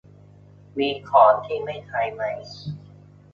มีของที่ไม่ใช้ไหม